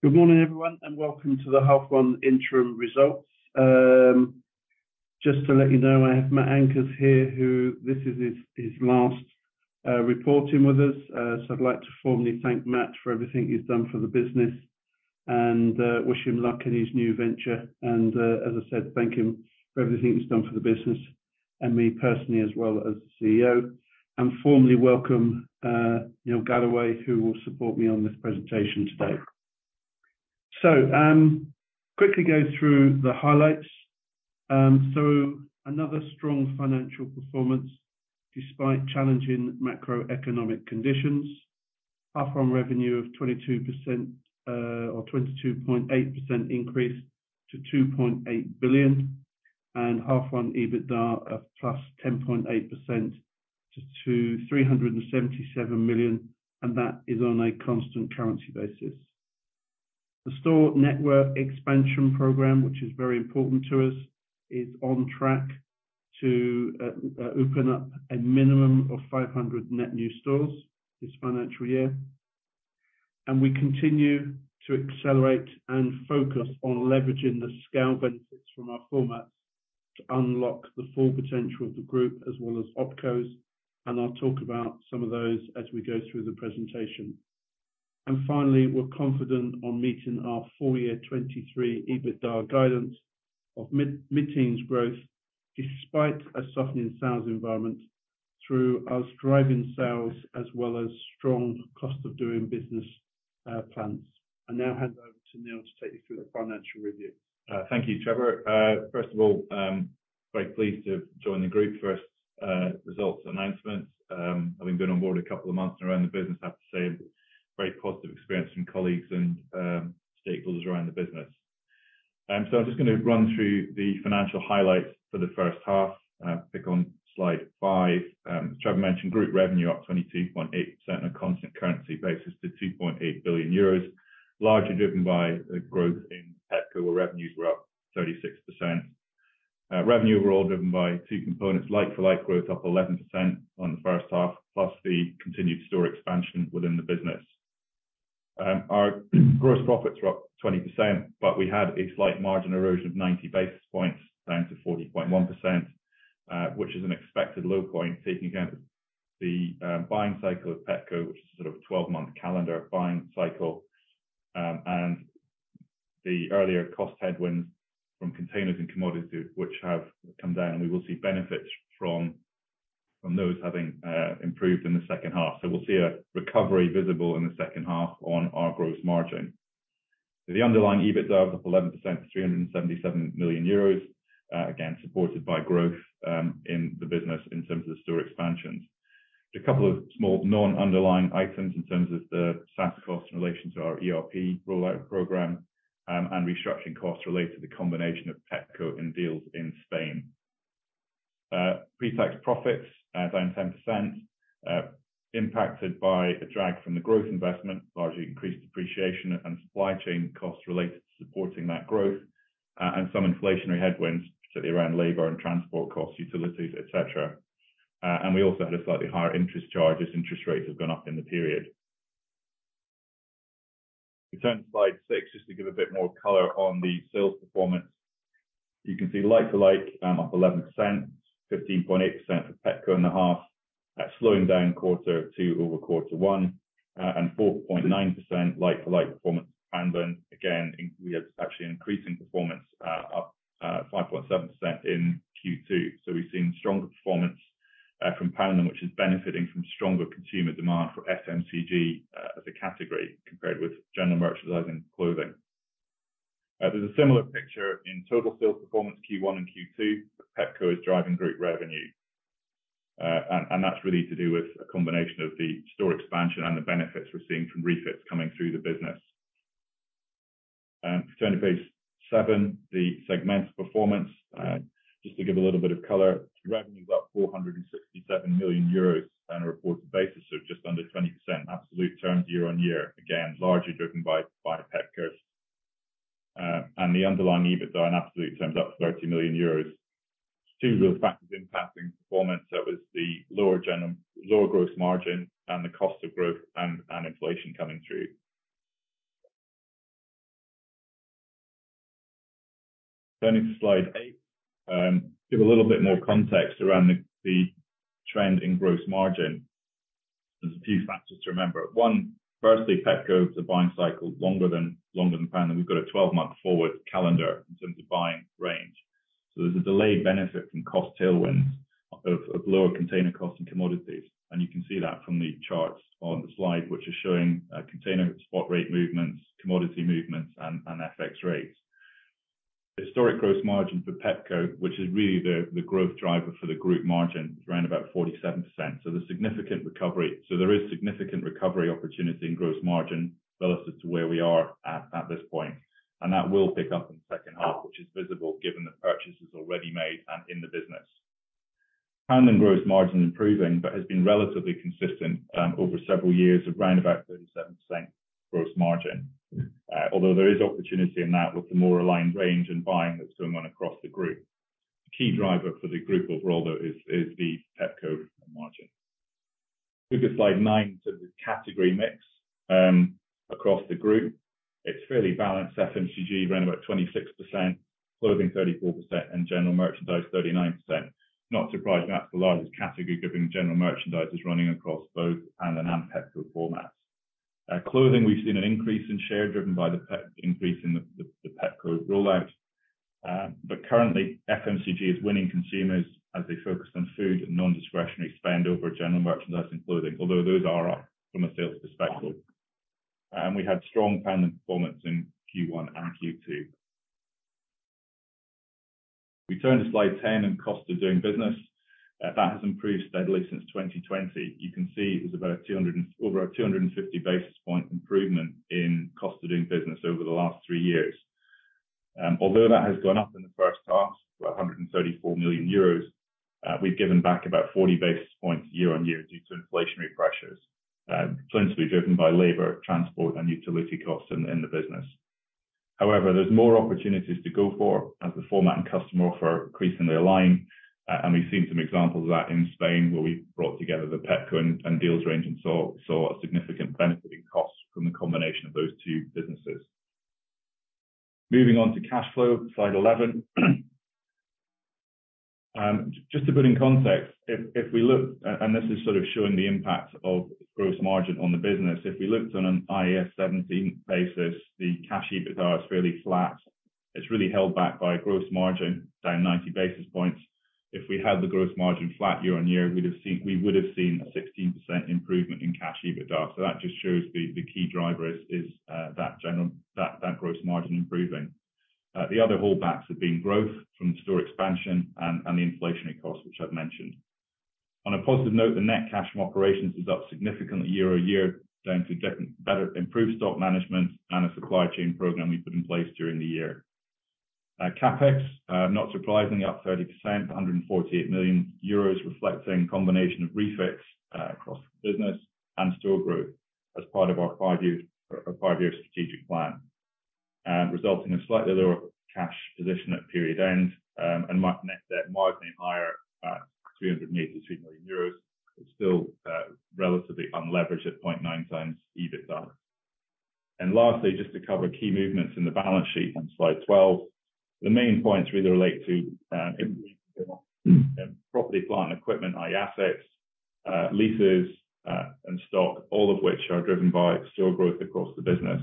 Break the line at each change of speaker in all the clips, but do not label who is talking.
Good morning, everyone, and welcome to the Half One Interim Results. Just to let you know, I have Mat Ankers here, who this is his last reporting with us. I'd like to formally thank Mat for everything he's done for the business and wish him luck in his new venture. As I said, thank him for everything he's done for the business and me personally, as well as CEO, and formally welcome Neil Galloway, who will support me on this presentation today. Quickly go through the highlights. Another strong financial performance despite challenging macroeconomic conditions. Half on revenue of 22%, or 22.8% increase to 2.8 billion and half on EBITDA of +10.8% to 377 million, and that is on a constant currency basis. The store network expansion program, which is very important to us, is on track to open up a minimum of 500 net new stores this financial year. We continue to accelerate and focus on leveraging the scale benefits from our formats to unlock the full potential of the group as well as OpCos, and I'll talk about some of those as we go through the presentation. Finally, we're confident on meeting our full year 2023 EBITDA guidance of mid-teens growth despite a softening sales environment through us driving sales as well as strong cost of doing business plans. I now hand over to Neil to take you through the financial review.
Thank you,. First of all, I'm very pleased to have joined the group for its results announcement. Having been on board a couple of months around the business, I have to say, very positive experience from colleagues and stakeholders around the business. I'm just going to run through the financial highlights for the first half, click on slide five. Trevor mentioned group revenue up 22.8% on a constant currency basis to 2.8 billion euros, largely driven by the growth in Pepco, where revenues were up 36%. Revenue were all driven by two components, like-for-like growth, up 11% on the first half, plus the continued store expansion within the business. Our gross profits were up 20%, but we had a slight margin erosion of 90 basis points, down to 40.1%, which is an expected low point, taking account the buying cycle of Pepco, which is sort of a 12-month calendar buying cycle, and the earlier cost headwinds from containers and commodities, which have come down, and we will see benefits from those having improved in the second half. We'll see a recovery visible in the second half on our gross margin. The underlying EBITDA up 11% to 377 million euros, again, supported by growth in the business in terms of the store expansions. A couple of small non-underlying items in terms of the SaaS cost in relation to our ERP rollout program, and restructuring costs related to the combination of Pepco and Dealz in Spain. Pre-tax profits down 10%, impacted by a drag from the growth investment, largely increased depreciation and supply chain costs related to supporting that growth, and some inflationary headwinds, particularly around labor and transport costs, utilities, et cetera. We also had a slightly higher interest charge as interest rates have gone up in the period. We turn to slide six, just to give a bit more color on the sales performance. You can see like-for-like up 11%, 15.8% for Pepco in the half, slowing down Q2 over Q1, and 4.9% like-for-like performance. Poundland, again, we are actually increasing performance, 5.7% in Q2. We've seen stronger performance from Poundland, which is benefiting from stronger consumer demand for FMCG as a category, compared with general merchandising clothing. There's a similar picture in total sales performance, Q1 and Q2, Pepco is driving group revenue. That's really to do with a combination of the store expansion and the benefits we're seeing from refits coming through the business. Turning to page seven, the segment performance. Just to give a little bit of color, revenue is up 467 million euros on a reported basis, just under 20%, absolute terms, year-on-year, again, largely driven by Pepco. The underlying EBITDA in absolute terms, up 30 million euros. Two real factors impacting performance, that was the general lower gross margin and the cost of growth and inflation coming through. Turning to slide eight, give a little bit more context around the trend in gross margin. There's a few factors to remember. One, firstly, Pepco, the buying cycle, longer than Poundland. We've got a 12-month forward calendar in terms of buying range. There's a delayed benefit from cost tailwinds of lower container costs and commodities. You can see that from the charts on the slide, which are showing container spot rate movements, commodity movements, and FX rates. Historic gross margin for Pepco, which is really the growth driver for the group margin, is around about 47%. There is significant recovery opportunity in gross margin relative to where we are at this point, and that will pick up in the second half, which is visible given the purchases already made and in the business. Poundland gross margin improving, but has been relatively consistent over several years of round about 37% gross margin. Although there is opportunity in that with the more aligned range and buying that's going on across the group. The key driver for the group overall, though, is the Pepco margin. Moving to slide nine, to the category mix across the group. It's fairly balanced. FMCG ran about 26%, clothing 34%, and general merchandise 39%. Not surprising, that's the largest category, giving general merchandise is running across both and the non-Pepco formats. Clothing, we've seen an increase in share, driven by the increase in the Pepco rollout. Currently, FMCG is winning consumers as they focus on food and non-discretionary spend over general merchandise and clothing, although those are up from a sales perspective. We had strong planning performance in Q1 and Q2. We turn to slide 10 and cost of doing business. That has improved steadily since 2020. You can see it was about over a 250 basis point improvement in cost of doing business over the last three years. Although that has gone up in the first half, to 134 million euros, we've given back about 40 year-on-year due to inflationary pressures, principally driven by labor, transport, and utility costs in the business. However, there's more opportunities to go for as the format and customer offer increasingly align. We've seen some examples of that in Spain, where we brought together the Pepco and Dealz range and saw a significant benefit in cost from the combination of those two businesses. Moving on to cash flow, slide 11. Just to put in context, if we look, this is sort of showing the impact of gross margin on the business. If we looked on an IFRS 16 basis, the cash EBITDA is fairly flat. It's really held back by gross margin, down 90 basis points. If we had the gross year-on-year, we would have seen a 16% improvement in cash EBITDA. That just shows the key driver is that general gross margin improving. The other holdbacks have been growth from store expansion and the inflationary costs, which I've mentioned. On a positive note, the net cash from operations is up significantly year-over-year, down to better improved stock management and a supply chain program we put in place during the year. CapEx, not surprisingly, up 30%, 148 million euros, reflecting a combination of refix across the business and store growth as part of our five-year strategic plan. Resulting in slightly lower cash position at period end, and net debt marginally higher, at 383 million euros. It's still relatively unleveraged at 0.9x EBITDA. Lastly, just to cover key movements in the balance sheet on slide 12. The main points really relate to property, plant, and equipment, assets, leases, and stock, all of which are driven by store growth across the business.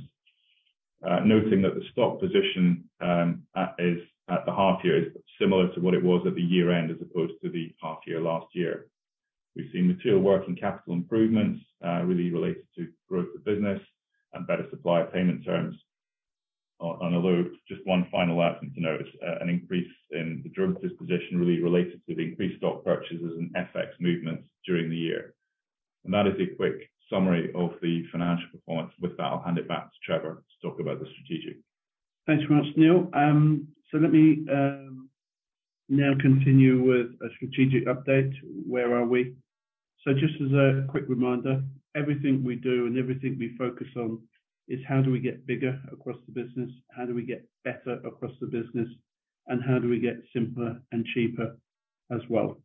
Noting that the stock position at the half year is similar to what it was at the year-end, as opposed to the half year last year. We've seen material working capital improvements, really related to growth of business and better supplier payment terms. Although, just one final item to note, an increase in the deposition, really related to the increased stock purchases and FX movements during the year. That is a quick summary of the financial performance. With that, I'll hand it back to Trevor to talk about the strategic.
Thanks very much, Neil. Let me now continue with a strategic update. Where are we? Just as a quick reminder, everything we do and everything we focus on is how do we get bigger across the business? How do we get better across the business? How do we get simpler and cheaper as well?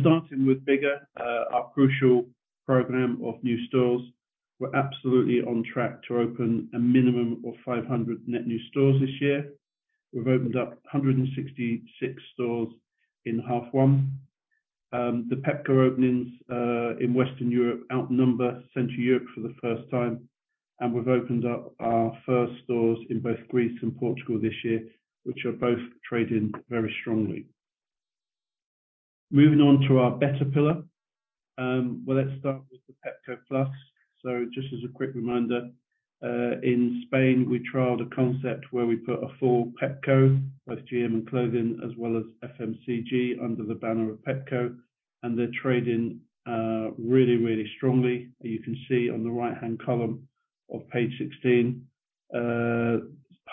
Starting with bigger, our crucial program of new stores, we're absolutely on track to open a minimum of 500 net new stores this year. We've opened up 166 stores in half one. The Pepco openings in Western Europe outnumber Central Europe for the first time, and we've opened up our first stores in both Greece and Portugal this year, which are both trading very strongly. Moving on to our better pillar. Well, let's start with the Pepco Plus. Just as a quick reminder, in Spain, we trialed a concept where we put a full Pepco, both GM and clothing, as well as FMCG, under the banner of Pepco, and they're trading really, really strongly. You can see on the right-hand column of page 16,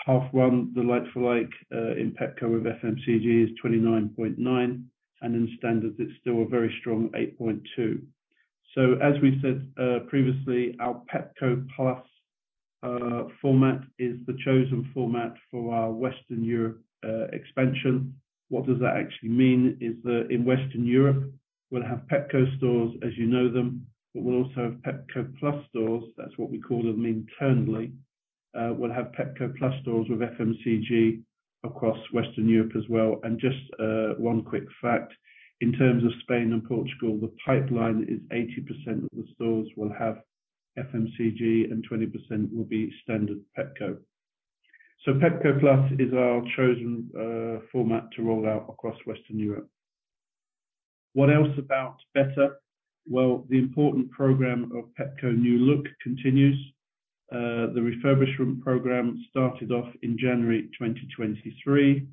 half one, the like-for-like, in Pepco with FMCG is 29.9%, and in standards, it's still a very strong 8.2%. As we said previously, our Pepco Plus format is the chosen format for our Western Europe expansion. What does that actually mean? Is that in Western Europe, we'll have Pepco stores as you know them, but we'll also have Pepco Plus stores. That's what we call them internally. We'll have Pepco Plus stores with FMCG across Western Europe as well. Just one quick fact, in terms of Spain and Portugal, the pipeline is 80% of the stores will have FMCG and 20% will be standard Pepco. Pepco Plus is our chosen format to roll out across Western Europe. What else about better? Well, the important program of Pepco New Look continues. The refurbishment program started off in January 2023.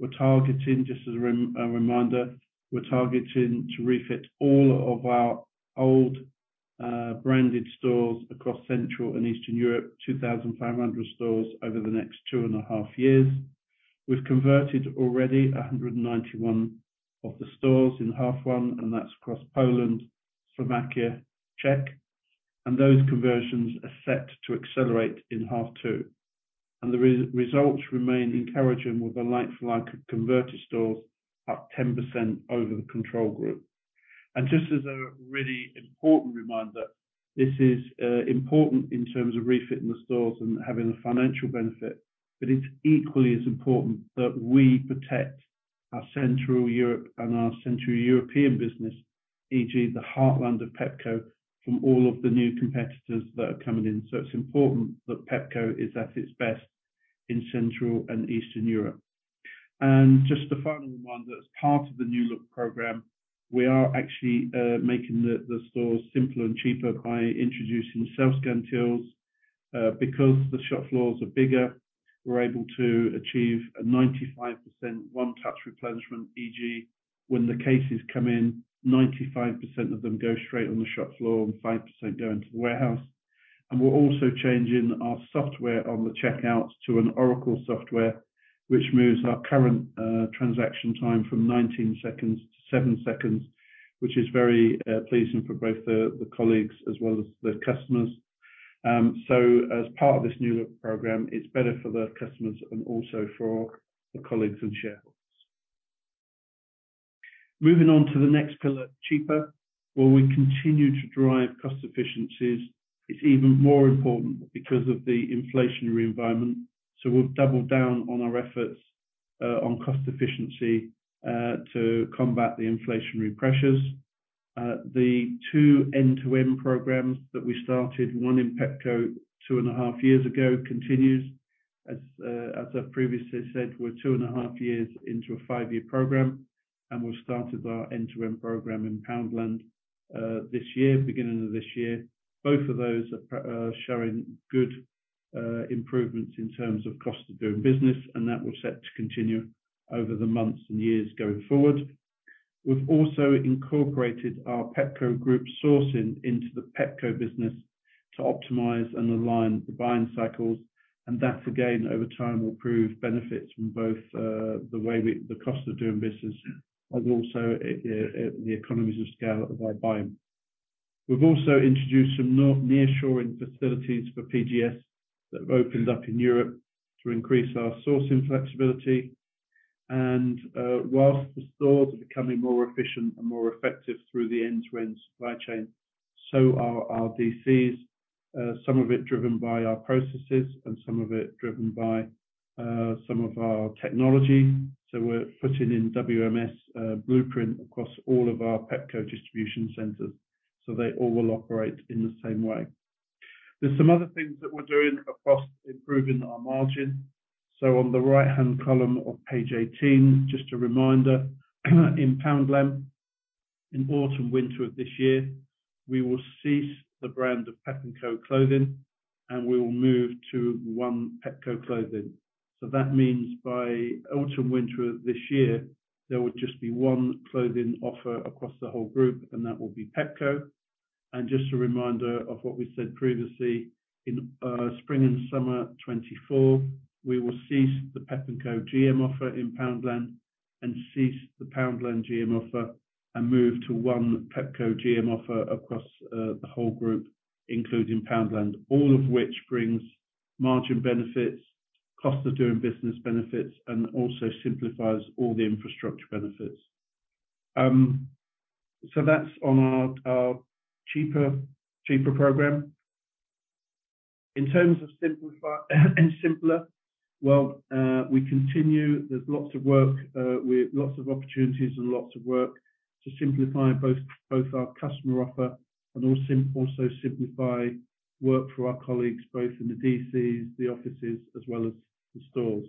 We're targeting, just as a reminder, we're targeting to refit all of our old branded stores across Central and Eastern Europe, 2,500 stores, over the next two and a half years. We've converted already 191 of the stores in half one, and that's across Poland, Slovakia, Czech, and those conversions are set to accelerate in half two. The results remain encouraging with a like-for-like converted stores up 10% over the control group. Just as a really important reminder, this is important in terms of refitting the stores and having a financial benefit, but it's equally as important that we protect our Central Europe and our Central European business, e.g., the heartland of Pepco, from all of the new competitors that are coming in. It's important that Pepco is at its best in Central and Eastern Europe. Just the final one that's part of the Pepco New Look program, we are actually making the stores simpler and cheaper by introducing self-scan tools. Because the shop floors are bigger, we're able to achieve a 95% one-touch replenishment, e.g., when the cases come in, 95% of them go straight on the shop floor and 5% go into the warehouse. We're also changing our software on the checkouts to an Oracle software, which moves our current transaction time from 19 seconds to seven seconds, which is very pleasing for both the colleagues as well as the customers. As part of this New Look program, it's better for the customers and also for the colleagues and shareholders. Moving on to the next pillar, cheaper, where we continue to drive cost efficiencies, it's even more important because of the inflationary environment. We've doubled down on our efforts on cost efficiency to combat the inflationary pressures. The two end-to-end programs that we started, one in Pepco two and a half years ago, continues. As I've previously two and a half years into a five-year program. We've started our end-to-end program in Poundland this year, beginning of this year. Both of those are showing good improvements in terms of cost of doing business. That was set to continue over the months and years going forward. We've also incorporated our Pepco Group sourcing into the Pepco business to optimize and align the buying cycles. That, again, over time, will prove benefits from both the way we the cost of doing business, and also the economies of scale of our buying. We've also introduced some nearshoring facilities for PGS that have opened up in Europe to increase our sourcing flexibility. Whilst the stores are becoming more efficient and more effective through the end-to-end supply chain, so are our DCs, some of it driven by our processes and some of it driven by some of our technology. We're putting in WMS blueprint across all of our Pepco distribution centers, so they all will operate in the same way. There's some other things that we're doing across improving our margin. On the right-hand column of page 18, just a reminder, in Poundland, in autumn, winter of this year, we will cease the brand of Pep&Co clothing, and we will move to one Pepco clothing. That means by autumn, winter this year, there will just be one clothing offer across the whole group, and that will be Pepco. Just a reminder of what we said previously, in spring and summer 2024, we will cease the Pep&Co GM offer in Poundland and cease the Poundland GM offer and move to one Pepco GM offer across the whole group, including Poundland. All of which brings margin benefits, cost of doing business benefits, and also simplifies all the infrastructure benefits. That's on our cheaper program. In terms of simpler, well, there's lots of work with lots of opportunities and lots of work to simplify both our customer offer, and also simplify work for our colleagues, both in the DCs, the offices, as well as the stores.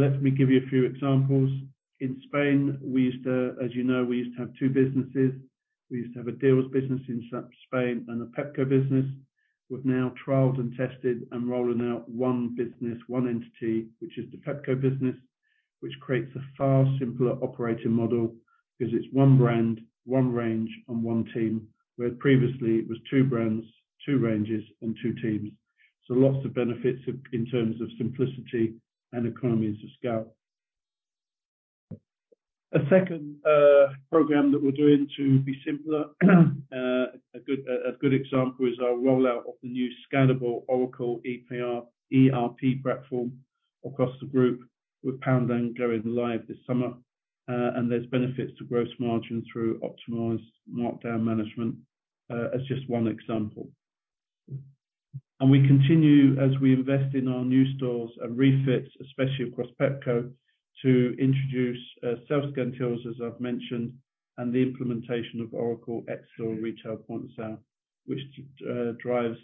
Let me give you a few examples. In Spain, as you know, we used to have two businesses. We used to have a Dealz business in Spain and a Pepco business. We've now trialed and tested and rolling out one business, one entity, which is the Pepco business, which creates a far simpler operating model because it's one brand, one range, and one team, where previously it was two brands, two ranges, and two teams. Lots of benefits in terms of simplicity and economies of scale. A second program that we're doing to be simpler, a good example is our rollout of the new scalable Oracle ERP platform across the group, with Poundland going live this summer. And there's benefits to gross margin through optimized markdown management, as just one example. We continue as we invest in our new stores and refits, especially across Pepco, to introduce self-scan tools, as I've mentioned, and the implementation of Oracle Xstore or retail point of sale, which drives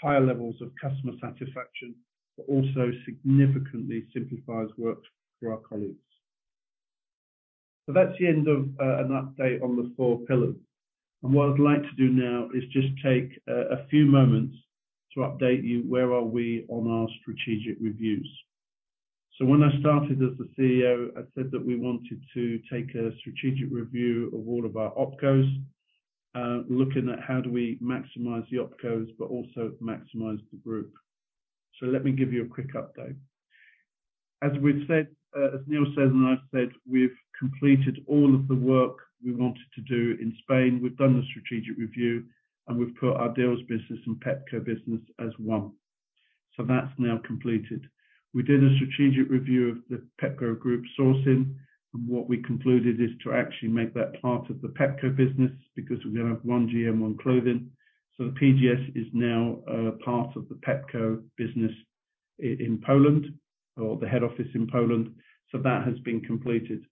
higher levels of customer satisfaction, but also significantly simplifies work for our colleagues. That's the end of an update on the four pillars. What I'd like to do now is just take a few moments to update you, where are we on our strategic reviews? When I started as the CEO, I said that we wanted to take a strategic review of all of our OpCos, looking at how do we maximize the OpCos, but also maximize the group. Let me give you a quick update. As we've said, as Neil said, and I've said, we've completed all of the work we wanted to do in Spain. We've done the strategic review, and we've put our Dealz business and Pepco business as one. That's now completed. We did a strategic review of the Pepco Group sourcing, and what we concluded is to actually make that part of the Pepco business, because we're going to have one GM, one clothing. The PGS is now part of the Pepco business in Poland, or the head office in Poland. That has been completed.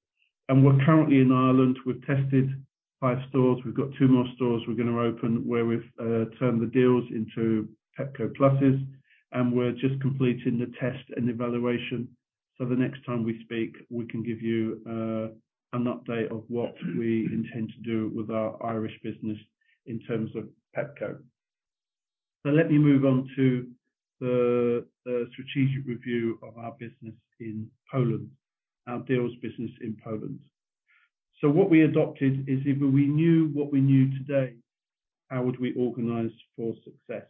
We're currently in Ireland, we've tested five stores. We've got two more stores we're going to open, where we've turned the Dealz into Pepco Pluses, and we're just completing the test and evaluation. The next time we speak, we can give you an update of what we intend to do with our Irish business in terms of Pepco. Let me move on to the strategic review of our business in Poland, our Dealz business in Poland. What we adopted is, if we knew what we knew today, how would we organize for success?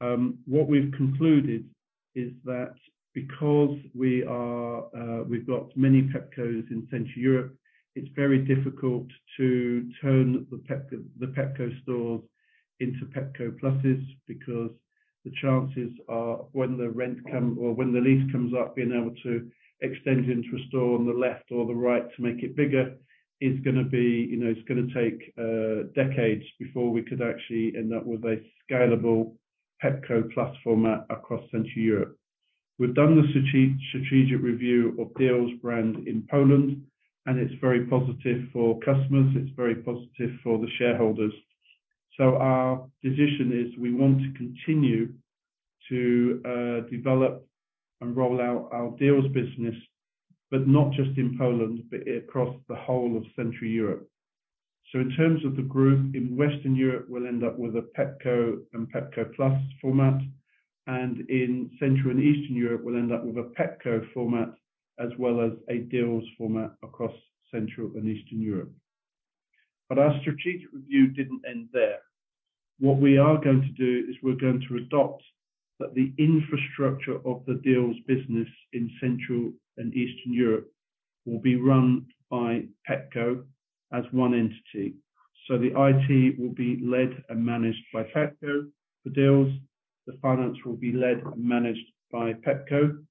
What we've concluded is that because we've got many Pepcos in Central Europe, it's very difficult to turn the Pepco stores into Pepco Pluses, because the chances are, when the rent or when the lease comes up, being able to extend into a store on the left or the right to make it bigger, is going to be, you know, it's going to take decades before we could actually end up with a scalable Pepco Plus format across Central Europe. We've done the strategic review of Dealz brand in Poland, and it's very positive for customers, it's very positive for the shareholders. Our decision is, we want to continue to develop and roll out our Dealz business, but not just in Poland, but across the whole of Central Europe. In terms of the group, in Western Europe, we'll end up with a Pepco and Pepco Plus format, and in Central and Eastern Europe, we'll end up with a Pepco format as well as a Dealz format across Central and Eastern Europe. Our strategic review didn't end there. What we are going to do, is we're going to adopt that the infrastructure of the Dealz business in Central and Eastern Europe will be run by Pepco as one entity. The IT will be led and managed by Pepco, the Dealz, the finance will be led and managed by Pepco,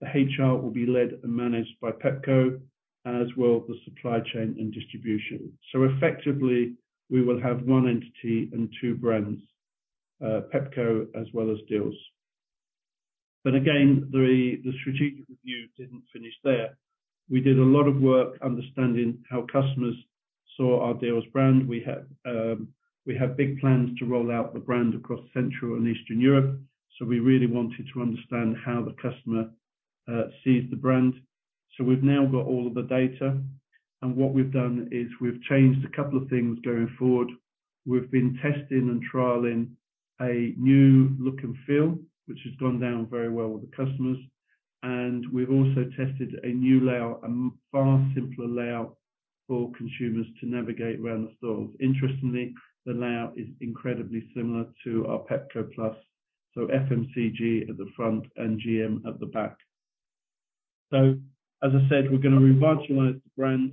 the HR will be led and managed by Pepco, as well as the supply chain and distribution. Effectively, we will have one entity and two brands, Pepco as well as Dealz. Again, the strategic review didn't finish there. We did a lot of work understanding how customers saw our Dealz brand. We had big plans to roll out the brand across Central and Eastern Europe, so we really wanted to understand how the customer sees the brand. We've now got all of the data, and what we've done is we've changed a couple of things going forward. We've been testing and trialing a new look and feel, which has gone down very well with the customers. We've also tested a new layout, far simpler layout for consumers to navigate around the stores. Interestingly, the layout is incredibly similar to our Pepco Plus, so FMCG at the front and GM at the back. As I said, we're going to revitalize the brand.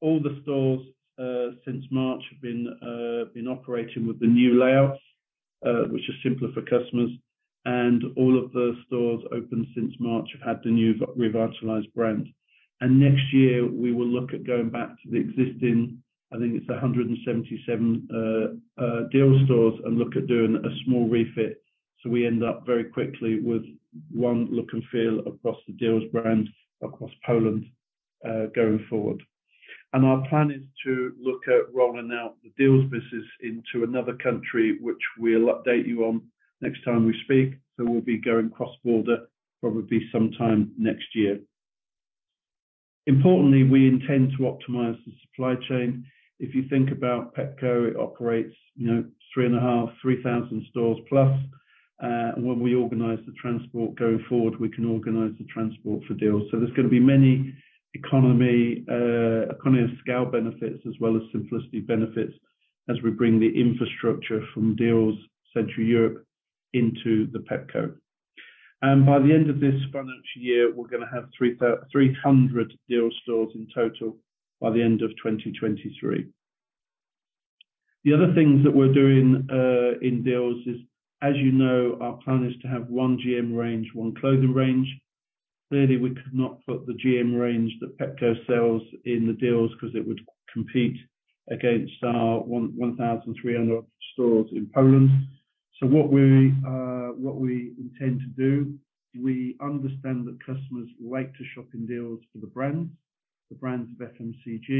All the stores since March have been operating with the new layouts, which is simpler for customers, and all of the stores opened since March have had the new revitalized brand. Next year, we will look at going back to the existing, I think it's 177 Dealz stores and look at doing a small refit, so we end up very quickly with one look and feel across the Dealz brand, across Poland, going forward. Our plan is to look at rolling out the Dealz business into another country, which we'll update you on next time we speak. We'll be going cross-border, probably sometime next year. Importantly, we intend to optimize the supply chain. If you think about Pepco, it operates, you know, 3,000 stores plus. When we organize the transport going forward, we can organize the transport for Dealz. There's going to be many economy of scale benefits as well as simplicity benefits, as we bring the infrastructure from Dealz Central Europe into the Pepco. By the end of this financial year, we're going to have 300 Dealz stores in total by the end of 2023. The other things that we're doing in Dealz is, as you know, our plan is to have one GM range, one clothing range. We could not put the GM range that Pepco sells in the Dealz, because it would compete against our 1,300 stores in Poland. What we intend to do, we understand that customers like to shop in Dealz for the brands, the brands of FMCG,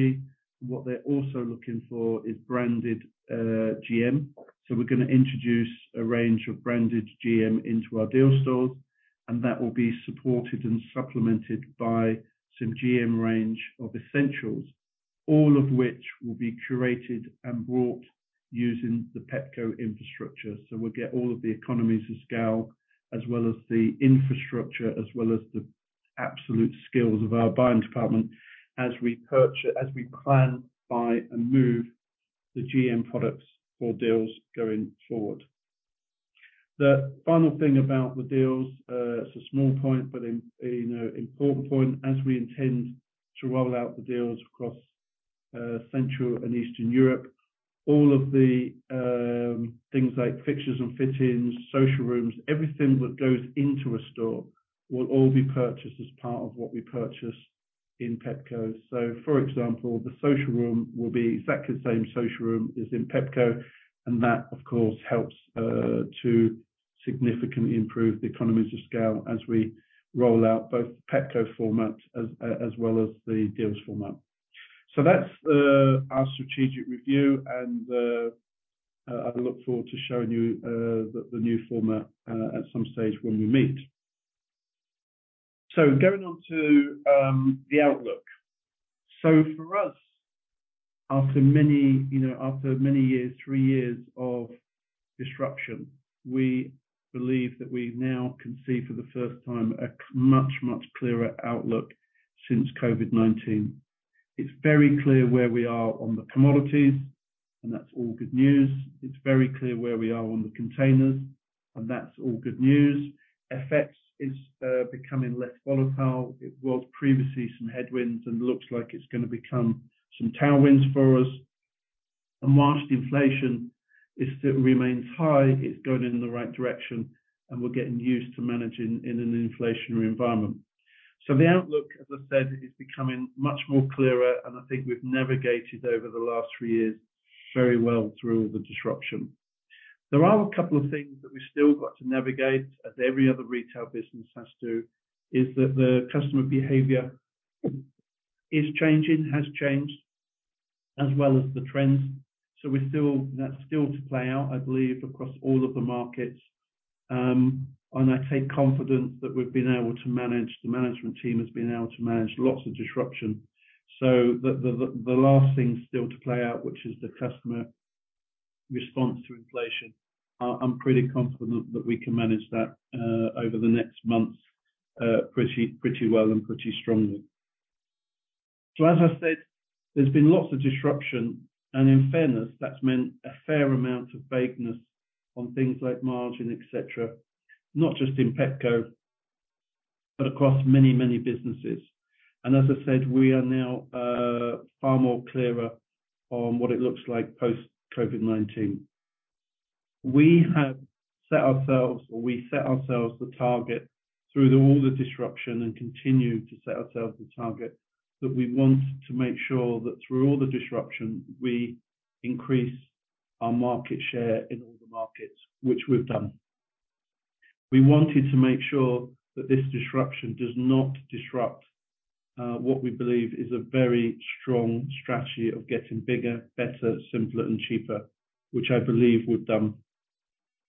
and what they're also looking for is branded GM. We're going to introduce a range of branded GM into our Dealz stores, and that will be supported and supplemented by some GM range of essentials, all of which will be curated and bought using the Pepco infrastructure. We'll get all of the economies of scale, as well as the infrastructure, as well as the absolute skills of our buying department as we plan, buy, and move the GM products for Dealz going forward. The final thing about the Dealz, it's a small point, you know, important point. As we intend to roll out the Dealz across Central and Eastern Europe, all of the things like fixtures and fittings, social rooms, everything that goes into a store will all be purchased as part of what we purchase in Pepco. For example, the social room will be exactly the same social room as in Pepco, and that, of course, helps to significantly improve the economies of scale as we roll out both Pepco format as well as the Dealz format. That's our strategic review, and I look forward to showing you the new format at some stage when we meet. Going on to the outlook. For us, after many, you know, after many years, three years of disruption, we believe that we now can see, for the first time, a much, much clearer outlook since COVID-19. It's very clear where we are on the commodities, and that's all good news. It's very clear where we are on the containers, and that's all good news. FX is becoming less volatile. It was previously some headwinds and looks like it's going to become some tailwinds for us. Whilst inflation is still remains high, it's going in the right direction, and we're getting used to managing in an inflationary environment. The outlook, as I said, is becoming much more clearer, and I think we've navigated over the last three years very well through the disruption. There are a couple of things that we've still got to navigate, as every other retail business has to, is that the customer behavior is changing, has changed, as well as the trends. That's still to play out, I believe, across all of the markets. I take confidence that we've been able to manage, the management team has been able to manage lots of disruption. The last thing still to play out, which is the customer response to inflation. I'm pretty confident that we can manage that over the next months pretty well and pretty strongly. As I said, there's been lots of disruption, and in fairness, that's meant a fair amount of vagueness on things like margin, et cetera, not just in Pepco, but across many businesses. As I said, we are now far more clearer on what it looks like post-COVID-19. We have set ourselves, or we set ourselves the target through all the disruption and continue to set ourselves the target, that we want to make sure that through all the disruption, we increase our market share in all the markets, which we've done. We wanted to make sure that this disruption does not disrupt what we believe is a very strong strategy of getting bigger, better, simpler, and cheaper, which I believe we've done.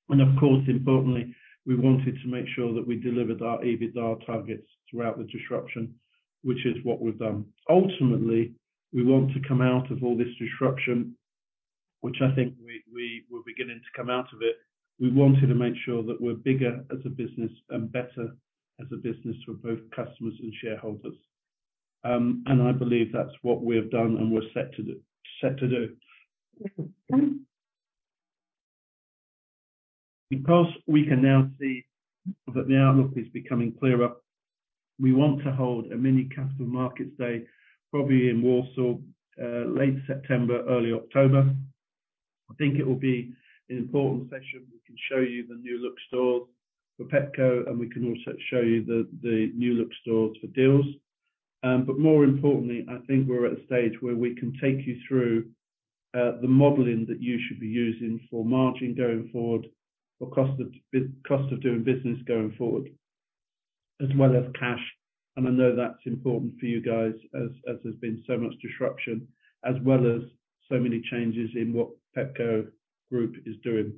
Of course, importantly, we wanted to make sure that we delivered our EBITDA targets throughout the disruption, which is what we've done. Ultimately, we want to come out of all this disruption, which I think we're beginning to come out of it. We wanted to make sure that we're bigger as a business and better as a business for both customers and shareholders. I believe that's what we have done, and we're set to do. We can now see that the outlook is becoming clearer, we want to hold a mini Capital Markets Day, probably in Warsaw, late September, early October. I think it will be an important session. We can show you the new look stores for Pepco, and we can also show you the new look stores for Dealz. More importantly, I think we're at a stage where we can take you through the modeling that you should be using for margin going forward, for cost of doing business going forward, as well as cash. I know that's important for you guys as there's been so much disruption, as well as so many changes in what Pepco Group is doing.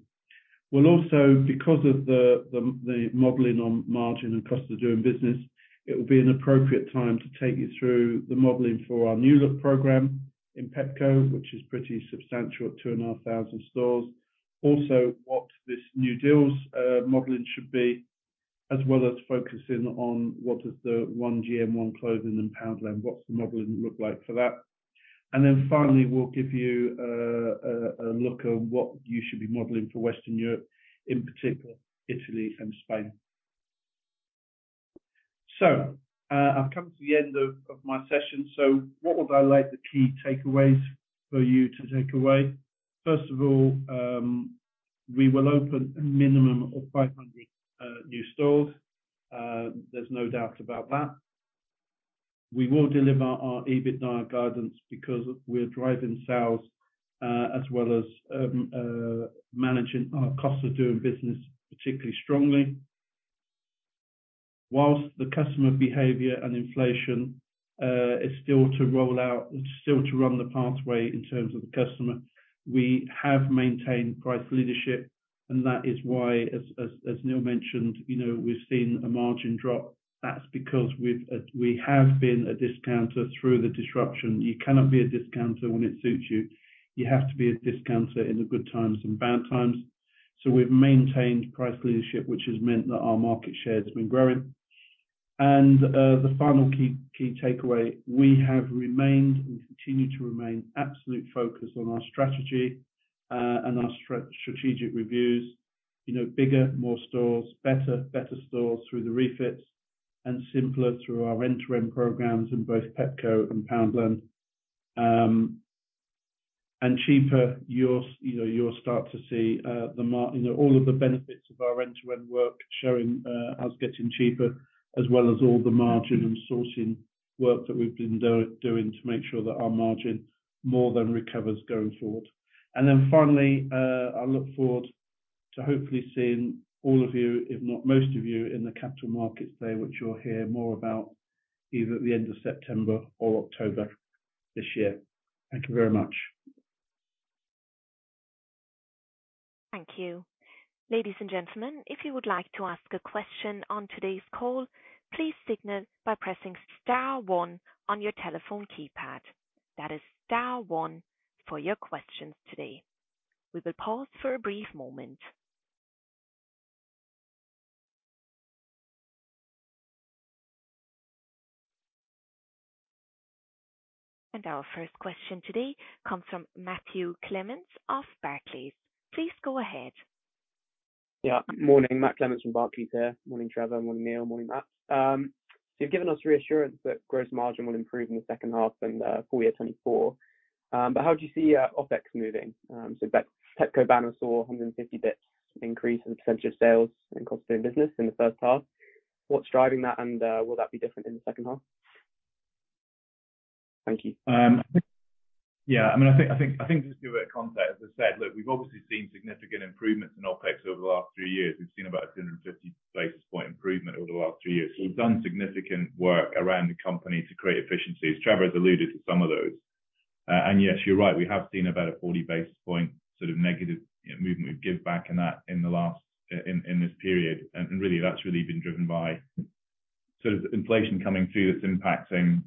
We'll also, because of the modeling on margin and cost of doing business, it will be an appropriate time to take you through the modeling for our New Look program in Pepco, which is pretty substantial at 2,500 stores. What this new Dealz modeling should be, as well as focusing on what is the one GM, one clothing in Poundland, what's the modeling look like for that? Finally, we'll give you a look on what you should be modeling for Western Europe, in particular, Italy and Spain. I've come to the end of my session, so what would I like the key takeaways for you to take away? First of all, we will open a minimum of 500 new stores. There's no doubt about that. We will deliver our EBITDA guidance because we're driving sales as well as managing our cost of doing business particularly strongly. Whilst the customer behavior and inflation is still to roll out, still to run the pathway in terms of the customer, we have maintained price leadership, and that is why, as Neil mentioned, you know, we've seen a margin drop. That's because we've we have been a discounter through the disruption. You cannot be a discounter when it suits you. You have to be a discounter in the good times and bad times. We've maintained price leadership, which has meant that our market share has been growing. The final key takeaway, we have remained, and continue to remain, absolute focused on our strategy, and our strategic reviews. You know, bigger, more stores, better stores through the refits, and simpler through our end-to-end programs in both Pepco and Poundland. Cheaper, you know, you'll start to see, you know, all of the benefits of our end-to-end work showing us getting cheaper, as well as all the margin and sourcing work that we've been doing to make sure that our margin more than recovers going forward. Finally, I look forward to hopefully seeing all of you, if not most of you, in the Capital Markets Day, which you'll hear more about either at the end of September or October this year. Thank you very much.
Thank you. Ladies and gentlemen, if you would like to ask a question on today's call, please signal by pressing star one on your telephone keypad. That is star one for your questions today. We will pause for a brief moment. Our first question today comes from Matthew Clements of Barclays. Please go ahead.
Yeah. Morning, Matthew Clements from Barclays here. Morning, Trevor. Morning, Neil. Morning, Mat. You've given us reassurance that gross margin will improve in the second half and full year 2024. How do you see OpEx moving? Pepco Banner saw 150 basis points increase in the percentage of sales and cost of doing business in the first half. What's driving that, and will that be different in the second half? Thank you.
Yeah, I mean, I think just to give it context, as I said, look, we've obviously seen significant improvements in OpEx over the last three years. We've seen about a 250 basis point improvement over the last three years. We've done significant work around the company to create efficiencies. Trevor has alluded to some of those. Yes, you're right, we have seen about a 40 basis point, sort of, negative movement. We've give back in that in the last in this period, really, that's really been driven by sort of inflation coming through that's impacting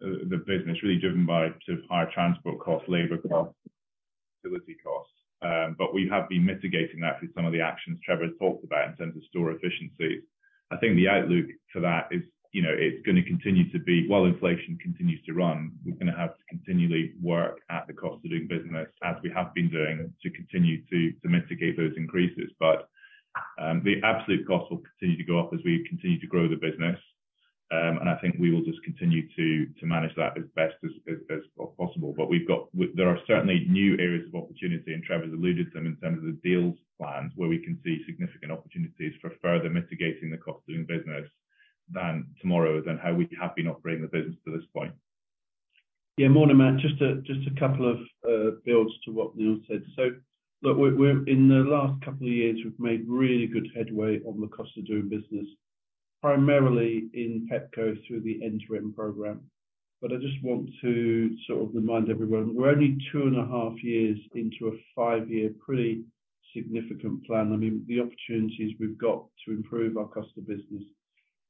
the business, really driven by sort of higher transport costs, labor costs, utility costs. We have been mitigating that through some of the actions Trevor has talked about in terms of store efficiency. I think the outlook for that is, you know, it's going to continue to be, while inflation continues to run, we're going to have to continually work at the cost of doing business, as we have been doing, to continue to mitigate those increases. But the absolute cost will continue to go up as we continue to grow the business. I think we will just continue to manage that as best as possible. There are certainly new areas of opportunity, and Trevor's alluded to them in terms of the Dealz plans, where we can see significant opportunities for further mitigating the cost of doing business than tomorrow, than how we have been operating the business to this point.
Morning, Matt. Just a couple of builds to what Neil said. Look, we're in the last couple of years, we've made really good headway on the cost of doing business, primarily in Pepco through the end-to-end program. I just want to sort of remind everyone, two and a half years into a five-year pretty significant plan. I mean, the opportunities we've got to improve our cost of business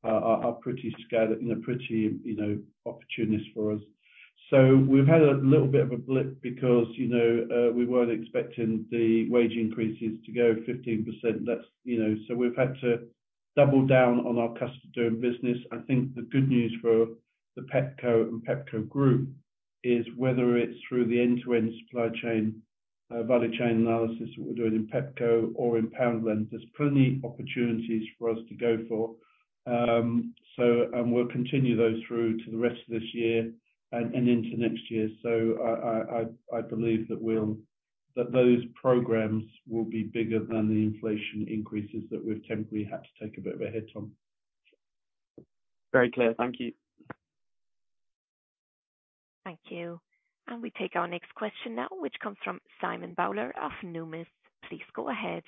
are pretty scaled, you know, pretty, you know, opportunist for us. We've had a little bit of a blip because, you know, we weren't expecting the wage increases to go 15%. That's, you know, we've had to double down on our cost of doing business. I think the good news for the Pepco and Pepco Group is whether it's through the end-to-end supply chain, value chain analysis that we're doing in Pepco or in Poundland, there's plenty opportunities for us to go for. We'll continue those through to the rest of this year and into next year. I believe that those programs will be bigger than the inflation increases that we've temporarily had to take a bit of a hit on.
Very clear. Thank you.
Thank you. We take our next question now, which comes from Simon Bowler of Numis. Please go ahead.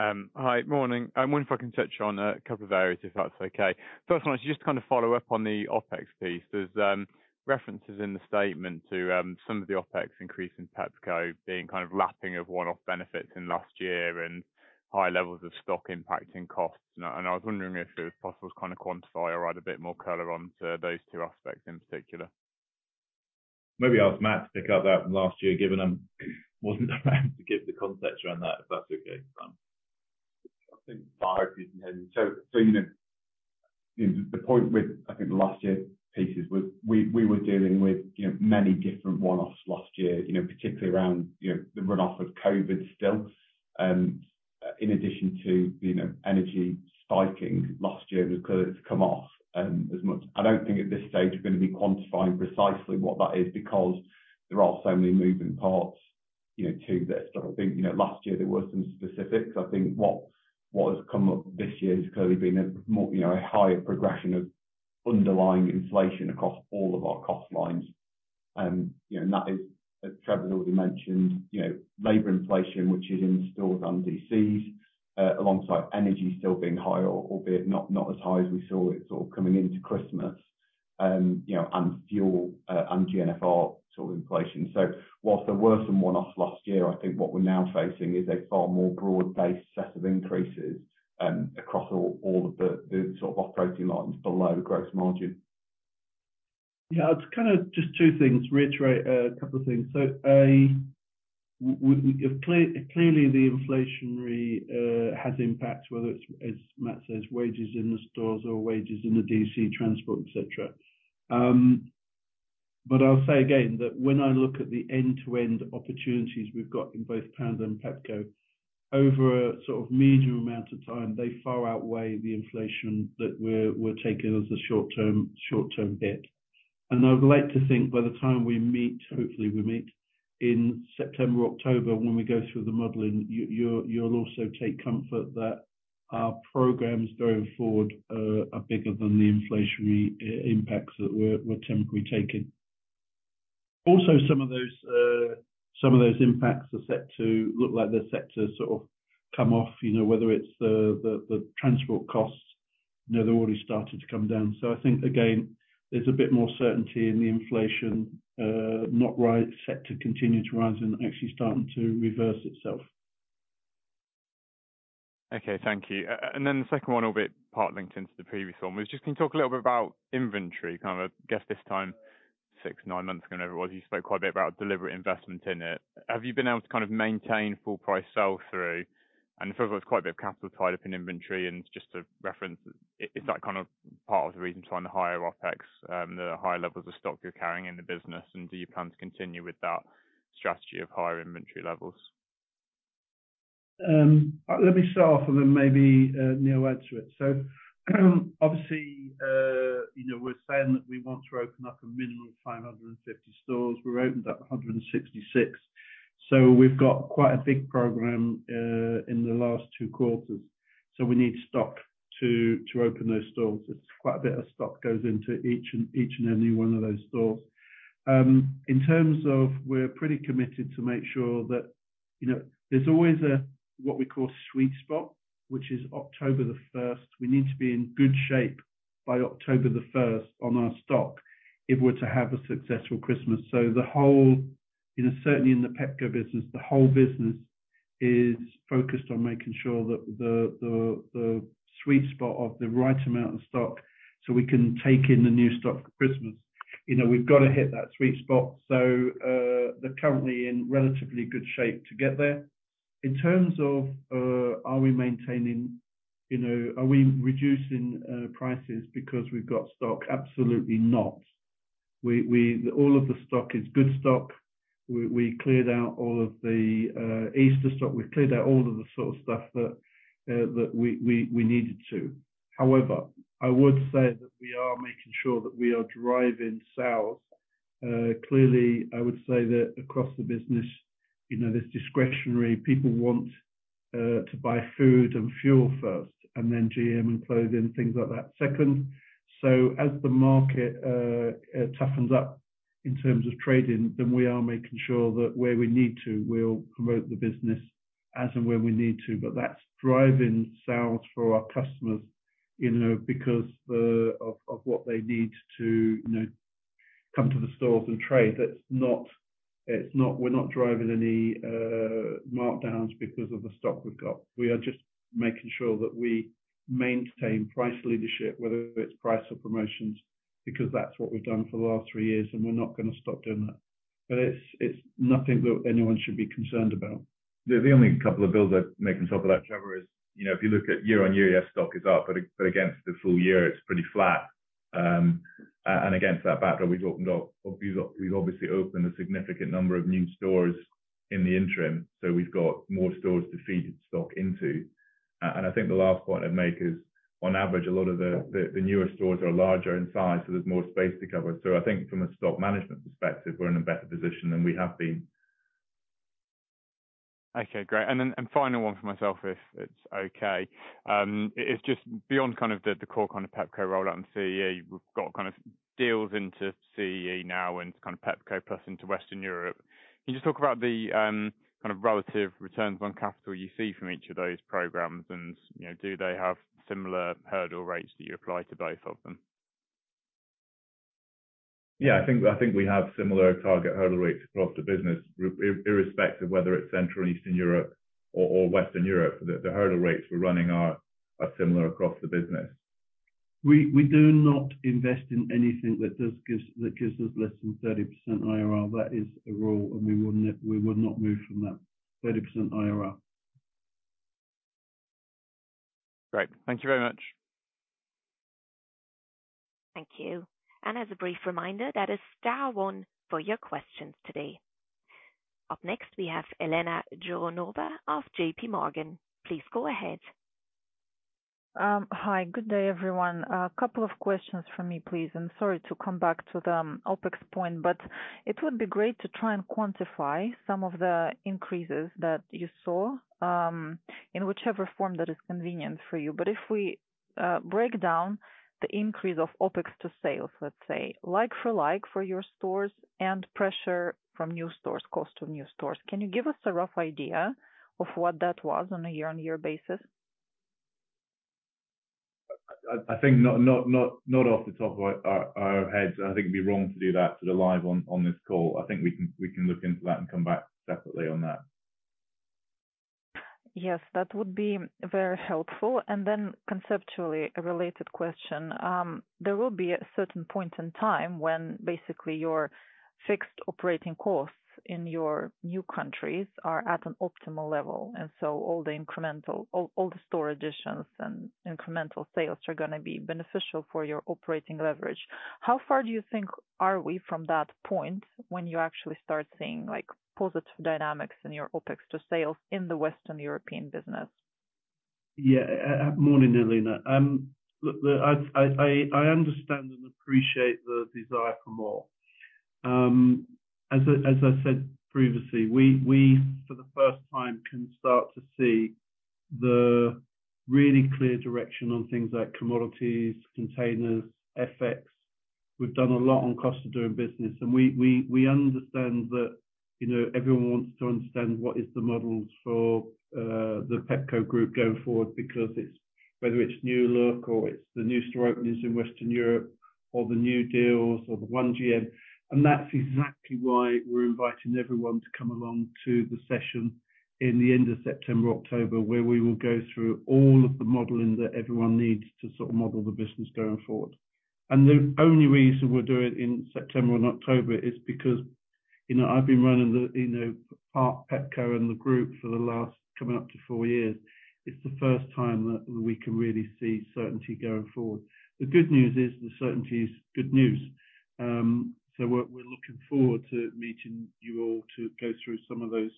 Hi. Morning. I wonder if I can touch on a couple of areas, if that's okay. First one, I just kind of follow-up on the OpEx piece. There's references in the statement to some of the OpEx increase in Pepco being kind of lapping of one-off benefits in last year and high levels of stock impacting costs. I was wondering if it was possible to kind of quantify or add a bit more color on to those two aspects in particular.
Maybe ask Mat to pick up that from last year, given I wasn't around to give the context around that, if that's okay, Simon.
I think, you know, the point with, I think, the last year pieces was we were dealing with, you know, many different one-offs last year, you know, particularly around, you know, the run-off of COVID still. In addition to, you know, energy spiking last year, because it's come off as much. I don't think at this stage we're going to be quantifying precisely what that is, because there are so many moving parts, you know, to this. I think, you know, last year there were some specifics. I think what has come up this year has clearly been a more, you know, a higher progression of underlying inflation across all of our cost lines. You know, that is, as Trevor has already mentioned, you know, labor inflation, which is in stores and DCs, alongside energy still being high, albeit not as high as we saw it or coming into Christmas, you know, and fuel, and GNFR sort of inflation. Whilst there were some one-offs last year, I think what we're now facing is a far more broad-based set of increases, across all of the sort of operating lines below the gross margin.
Yeah, it's kind of just two things, to reiterate a couple of things. Clearly, the inflationary has impacts, whether it's, as Mat says, wages in the stores or wages in the DC, transport, et cetera. I'll say again, that when I look at the end-to-end opportunities we've got in both Poundland and Pepco. Over a sort of medium amount of time, they far outweigh the inflation that we're taking as a short-term hit. I would like to think by the time we meet, hopefully we meet in September or October, when we go through the modeling, you'll also take comfort that our programs going forward are bigger than the inflationary impacts that we're temporarily taking. Some of those impacts look like they're set to sort of come off, you know, whether it's the transport costs, you know, they've already started to come down. I think, again, there's a bit more certainty in the inflation, set to continue to rise and actually starting to reverse itself.
Okay, thank you. Then the second one will be part linked into the previous one, was just, can you talk a little bit about inventory? Kind of, I guess this time, six, nine months ago, whatever it was, you spoke quite a bit about deliberate investment in it. Have you been able to kind of maintain full price sell through? There's quite a bit of capital tied up in inventory, just to reference, is that kind of part of the reason behind the higher OpEx, the higher levels of stock you're carrying in the business, and do you plan to continue with that strategy of higher inventory levels?
Let me start off maybe Neil add to it. Obviously, you know, we're saying that we want to open up a minimum of 550 stores. We've opened up 166, we've got quite a big program in the last two quarters. We need stock to open those stores. It's quite a bit of stock goes into each and every one of those stores. In terms of we're pretty committed to make sure that, you know, there's always a, what we call sweet spot, which is October the 1st. We need to be in good shape by October the 1st on our stock, if we're to have a successful Christmas. The whole, you know, certainly in the Pepco business, the whole business is focused on making sure that the sweet spot of the right amount of stock, so we can take in the new stock for Christmas. You know, we've got to hit that sweet spot. They're currently in relatively good shape to get there. In terms of, are we maintaining, you know, are we reducing prices because we've got stock? Absolutely not. All of the stock is good stock. We cleared out all of the Easter stock. We've cleared out all of the sort of stuff that we needed to. I would say that we are making sure that we are driving sales. Clearly, I would say that across the business, you know, there's discretionary. People want to buy food and fuel first, and then GM and clothing, things like that second. As the market toughens up in terms of trading, then we are making sure that where we need to, we'll promote the business as and where we need to. That's driving sales for our customers, you know, because of what they need to, you know, come to the stores and trade. We're not driving any markdowns because of the stock we've got. We are just making sure that we maintain price leadership, whether it's price or promotions, because that's what we've done for the last three years, and we're not going to stop doing that. It's nothing that anyone should be concerned about.
The only couple of builds I'd make on top of that, Trevor, is, you know, if you look at year-on-year, yes, stock is up, but against the full year, it's pretty flat. Against that backdrop, we've obviously opened a significant number of new stores in the interim, so we've got more stores to feed stock into. I think the last point I'd make is, on average, a lot of the newer stores are larger in size, so there's more space to cover. I think from a stock management perspective, we're in a better position than we have been.
Okay, great. Final one for myself, if it's okay. It's just beyond kind of the core kind of Pepco rollout in CEE, we've got kind of Dealz into CEE now, and it's kind of Pepco Plus into Western Europe. Can you just talk about the kind of relative returns on capital you see from each of those programs? You know, do they have similar hurdle rates that you apply to both of them?
Yeah, I think we have similar target hurdle rates across the business, irrespective of whether it's Central Eastern Europe or Western Europe. The hurdle rates we're running are similar across the business.
We do not invest in anything that gives us less than 30% IRR. That is a rule, and we will not move from that 30% IRR.
Great. Thank you very much.
Thank you. As a brief reminder, that is star one for your questions today. Up next, we have Elena Jouronova of JPMorgan. Please go ahead.
Hi, good day, everyone. A couple of questions from me, please. Sorry to come back to the OpEx point, but it would be great to try and quantify some of the increases that you saw in whichever form that is convenient for you. If we break down the increase of OpEx to sales, let's say, like-for-like for your stores and pressure from new stores, cost to new stores, can you give us a rough idea of what that was on a year-on-year basis?
I think not off the top of our heads. I think it'd be wrong to do that sort of live on this call. I think we can look into that and come back separately on that.
Yes, that would be very helpful. Conceptually, a related question. There will be a certain point in time when basically your fixed operating costs in your new countries are at an optimal level, all the incremental all the store additions and incremental sales are going to be beneficial for your operating leverage. How far do you think are we from that point when you actually start seeing, like, positive dynamics in your OpEx to sales in the Western European business?
Morning, Elena. Look, I understand and appreciate the desire for more. As I said previously, we for the first time, can start to see the really clear direction on things like commodities, containers, FX. We've done a lot on cost of doing business, and we understand that, you know, everyone wants to understand what is the models for the Pepco Group going forward, because whether it's new look or it's the new store openings in Western Europe or the new deals or the one GM. That's exactly why we're inviting everyone to come along to the session in the end of September, October, where we will go through all of the modeling that everyone needs to sort of model the business going forward. The only reason we're doing it in September and October is because, you know, I've been running the, you know, part of Pepco and the group for the last, coming up to four years. It's the first time that we can really see certainty going forward. The good news is, the certainty is good news. We're looking forward to meeting you all to go through some of those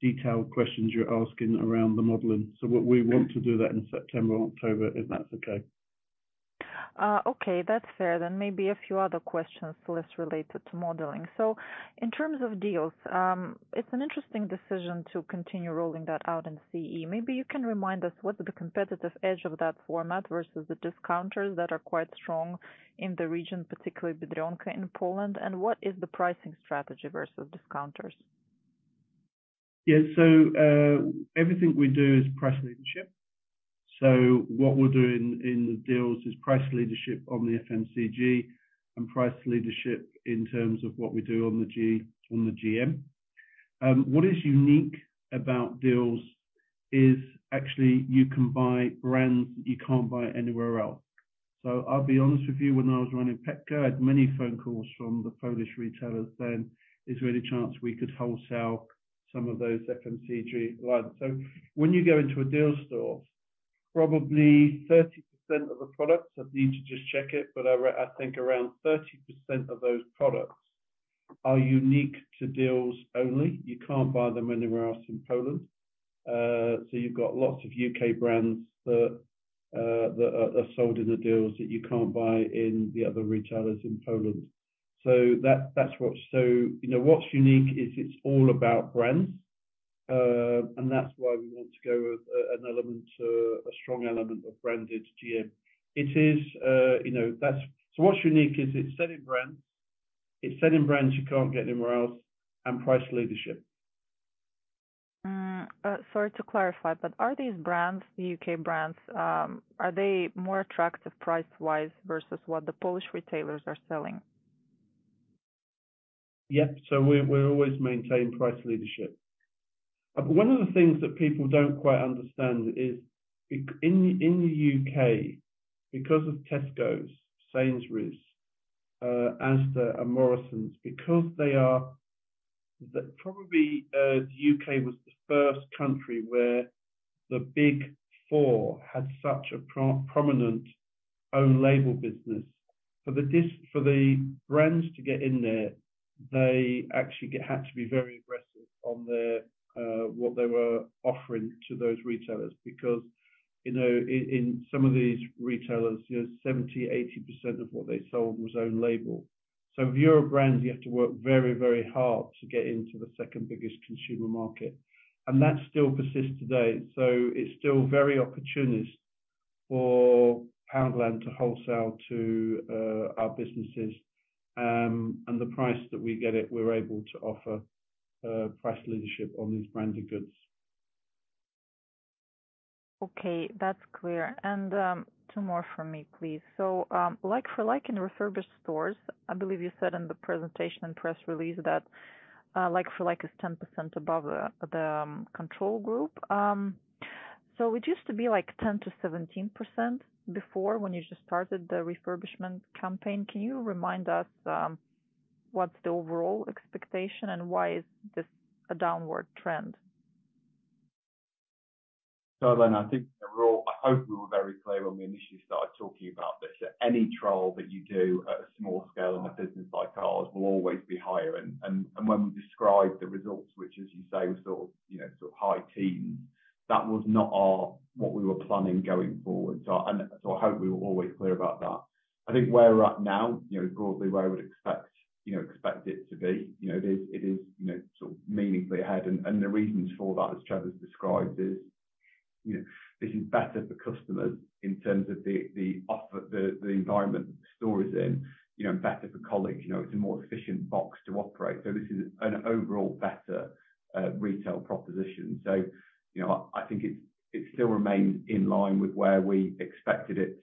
detailed questions you're asking around the modeling. What we want to do that in September or October, if that's okay.
Okay, that's fair. Maybe a few other questions less related to modeling. In terms of Dealz, it's an interesting decision to continue rolling that out in CEE. Maybe you can remind us, what is the competitive edge of that format versus the discounters that are quite strong in the region, particularly Biedronka in Poland, and what is the pricing strategy versus discounters?
Everything we do is price leadership. What we're doing in the Dealz is price leadership on the FMCG and price leadership in terms of what we do on the GM. What is unique about Dealz is actually you can buy brands that you can't buy anywhere else. I'll be honest with you, when I was running Pepco, I had many phone calls from the Polish retailers saying: Is there any chance we could wholesale some of those FMCG lines? When you go into a Dealz store, probably 30% of the products, I'd need to just check it, but I think around 30% of those products are unique to Dealz only. You can't buy them anywhere else in Poland. You've got lots of U.K. brands that are sold in the Dealz that you can't buy in the other retailers in Poland. That's what. You know, what's unique is it's all about brands, and that's why we want to go with an element, a strong element of branded GM. It is, you know, what's unique is it's selling brands. It's selling brands you can't get anywhere else, and price leadership.
Sorry to clarify, are these brands, the UK brands, are they more attractive price-wise versus what the Polish retailers are selling?
Yep. We always maintain price leadership. One of the things that people don't quite understand is in the U.K., because of Tesco, Sainsbury's, Asda, and Morrisons. Probably the U.K. was the first country where the Big Four had such a prominent own label business. For the brands to get in there, they actually had to be very aggressive on what they were offering to those retailers. Because, you know, in some of these retailers, you know, 70%, 80% of what they sold was own label. If you're a brand, you have to work very, very hard to get into the second biggest consumer market, and that still persists today, it's still very opportunist for Poundland to wholesale to our businesses. The price that we get it, we're able to offer, price leadership on these branded goods.
Okay, that's clear. Two more from me, please. like-for-like in refurbished stores, I believe you said in the presentation and press release that like-for-like is 10% above the control group. It used to be like 10%-17% before when you just started the refurbishment campaign. Can you remind us what's the overall expectation and why is this a downward trend?
I think we're all, I hope we were very clear when we initially started talking about this, that any trial that you do at a small scale in a business like ours will always be higher. When we described the results, which as you say, was sort of, you know, sort of high teen, that was not our, what we were planning going forward. I hope we were always clear about that. I think where we're at now, you know, broadly where I would expect, you know, expect it to be, you know, it is, you know, sort of meaningfully ahead. The reasons for that, as Trevor's described, is, you know, this is better for customers in terms of the offer, the environment the store is in, you know, better for colleagues. You know, it's a more efficient box to operate. This is an overall better retail proposition. You know, I think it's, it still remains in line with where we expected it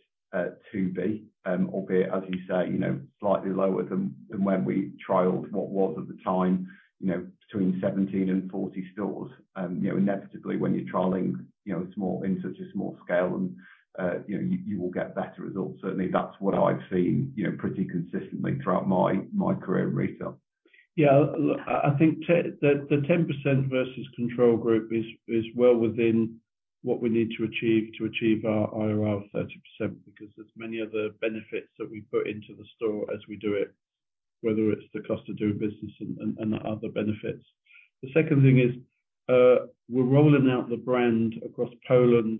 to be, albeit, as you say, you know, slightly lower than when we trialed what was at the time, you know, between 17 and 40 stores. You know, inevitably, when you're trialing, you know, small, in such a small scale and, you know, you will get better results. Certainly, that's what I've seen, you know, pretty consistently throughout my career in retail.
I think the 10% versus control group is well within what we need to achieve, to achieve our IRR of 30%, because there's many other benefits that we put into the store as we do it, whether it's the cost of doing business and the other benefits. The second thing is, we're rolling out the brand across Poland,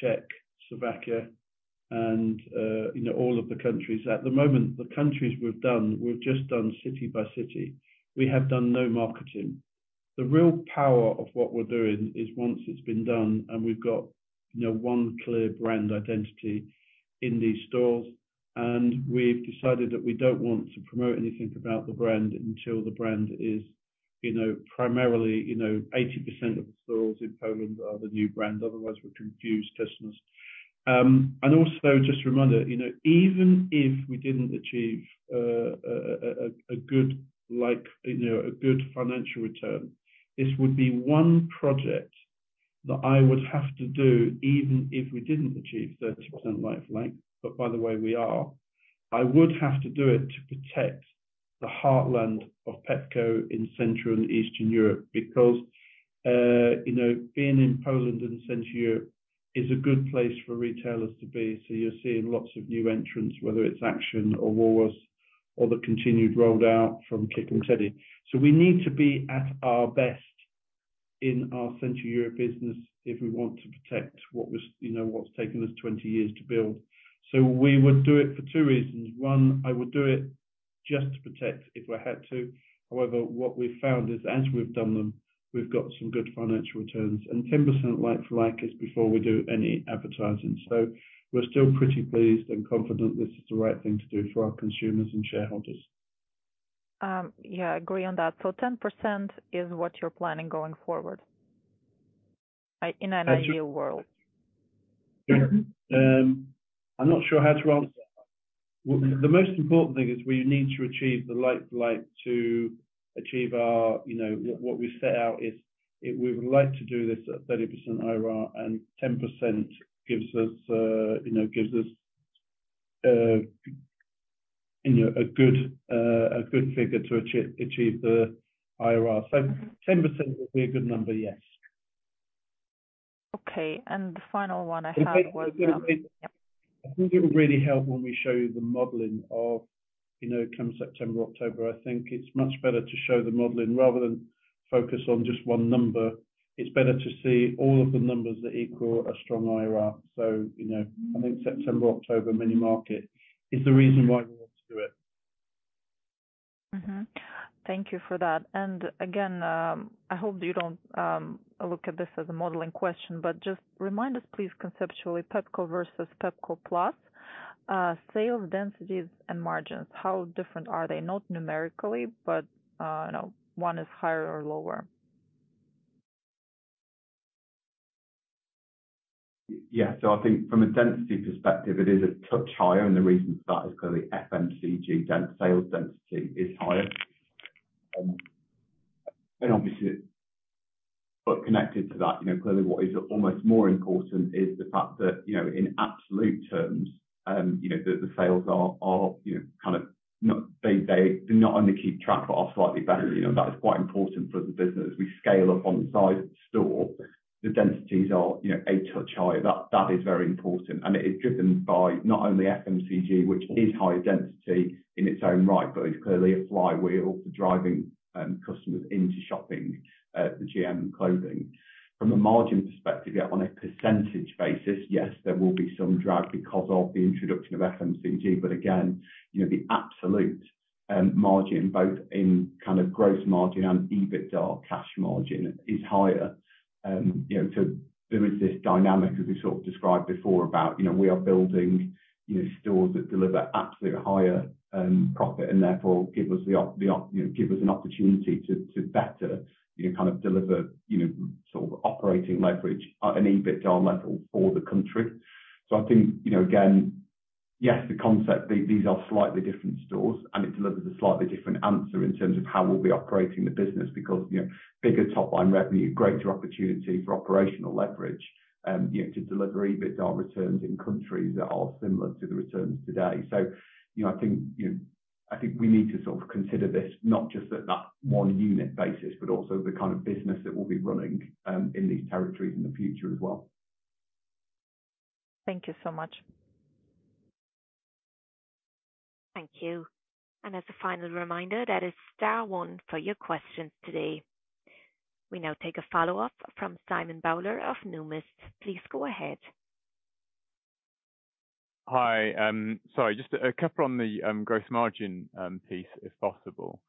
Czech, Slovakia, and, you know, all of the countries. At the moment, the countries we've done, we've just done city by city. We have done no marketing. The real power of what we're doing is once it's been done, and we've got, you know, one clear brand identity in these stores, and we've decided that we don't want to promote anything about the brand until the brand is, you know, primarily, you know, 80% of the stores in Poland are the new brand, otherwise, we confuse customers. Also just a reminder, you know, even if we didn't achieve a good like, you know, a good financial return, this would be one project that I would have to do, even if we didn't achieve 30% like, but by the way, we are. I would have to do it to protect the heartland of Pepco in Central and Eastern Europe. You know, being in Poland and Central Europe is a good place for retailers to be, you're seeing lots of new entrants, whether it's Action or Woolworth, or the continued rollout from KiK and TK Maxx. We need to be at our best in our Central Europe business if we want to protect what was, you know, what's taken us 20 years to build. We would do it for two reasons. One, I would do it just to protect if I had to. However, what we've found is, as we've done them, we've got some good financial returns, and 10% like-for-like, is before we do any advertising. We're still pretty pleased and confident this is the right thing to do for our consumers and shareholders.
Yeah, I agree on that. 10% is what you're planning going forward, in an ideal world?
I'm not sure how to answer that one. The most important thing is we need to achieve the like-for-like, to achieve our, you know, what we set out is, we would like to do this at 30% IRR, and 10% gives us, you know, gives us, you know, a good figure to achieve the IRR. 10% will be a good number, yes.
Okay, the final one I have was, yep.
I think it will really help when we show you the modeling of, you know, come September, October. I think it's much better to show the modeling, rather than focus on just one number. It's better to see all of the numbers that equal a strong IRR. I think September, October mini market is the reason why we want to do it.
Thank you for that. Again, I hope you don't look at this as a modeling question, but just remind us, please, conceptually, Pepco versus Pepco Plus, sales, densities and margins. How different are they? Not numerically, but, you know, one is higher or lower.
Yeah, I think from a density perspective, it is a touch higher, and the reason for that is clearly FMCG sales density is higher. And obviously, connected to that, you know, clearly what is almost more important is the fact that, you know, in absolute terms, you know, the sales are, you know, kind of, not only keep track, but are slightly better. You know, that is quite important for the business. We scale up on the size of the store. The densities are, you know, a touch higher. That is very important, and it is driven by not only FMCG, which is higher density in its own right, but is clearly a flywheel for driving customers into shopping the GM clothing. From a margin perspective, yeah, on a percentage basis, yes, there will be some drag because of the introduction of FMCG. But again, you know, the absolute margin, both in kind of gross margin and EBITDA cash margin, is higher. You know, there is this dynamic, as we sort of described before, about, you know, we are building, you know, stores that deliver absolute higher profit and therefore, give us an opportunity to better, you know, kind of deliver, you know, sort of operating leverage at an EBITDA level for the country. I think, you know, again, yes, the concept, these are slightly different stores, and it delivers a slightly different answer in terms of how we'll be operating the business. You know, bigger top line revenue, greater opportunity for operational leverage, you know, to deliver EBITDA returns in countries that are similar to the returns today. You know, I think we need to sort of consider this not just at that one unit basis, but also the kind of business that we'll be running in these territories in the future as well.
Thank you so much.
Thank you. As a final reminder, that is star one for your questions today. We now take a follow-up from Simon Bowler of Numis. Please go ahead.
Hi, sorry, just a couple on the gross margin piece, if possible.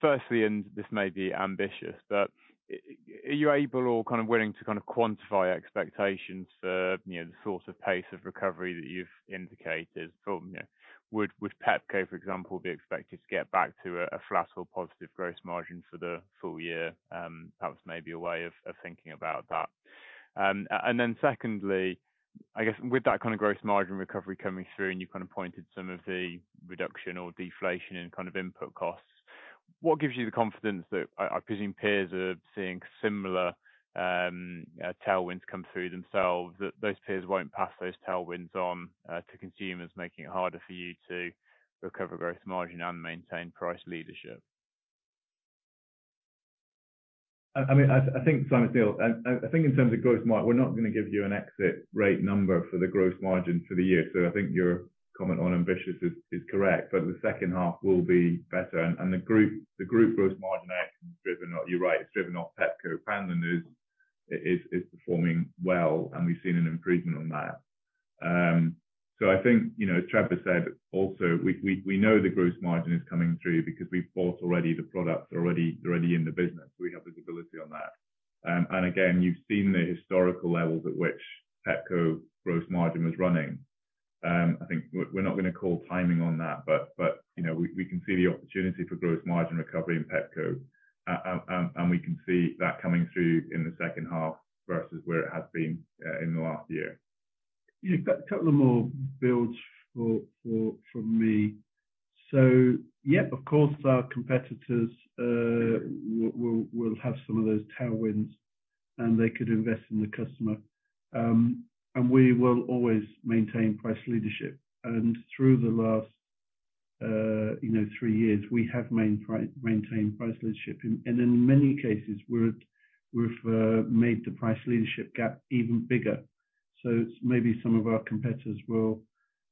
Firstly, and this may be ambitious, but are you able or kind of willing to kind of quantify expectations for, you know, the sort of pace of recovery that you've indicated from, you know? Would Pepco, for example, be expected to get back to a flat or positive gross margin for the full year? That was maybe a way of thinking about that. Then secondly, I guess with that kind of gross margin recovery coming through, and you kind of pointed some of the reduction or deflation in kind of input costs. What gives you the confidence that, I presume peers are seeing similar tailwinds come through themselves, that those peers won't pass those tailwinds on to consumers, making it harder for you to recover gross margin and maintain price leadership?
I mean, I think, Simon, I think in terms of gross margin, we're not going to give you an exit rate number for the gross margin for the year. I think your comment on ambitious is correct, but the second half will be better. The group gross margin action is driven off, you're right, it's driven off Pepco. Poundland is performing well, and we've seen an improvement on that. I think, you know, as Trevor said, also, we know the gross margin is coming through because we've bought already the products, they're already in the business. We have visibility on that. Again, you've seen the historical levels at which Pepco gross margin was running. I think we're not going to call timing on that, but, you know, we can see the opportunity for growth margin recovery in Pepco. We can see that coming through in the second half versus where it has been in the last year.
Yeah. A couple of more builds for me. Yep, of course, our competitors will have some of those tailwinds, and they could invest in the customer. We will always maintain price leadership. Through the last, you know, three years, we have maintained price leadership. In many cases, we've made the price leadership gap even bigger. Maybe some of our competitors will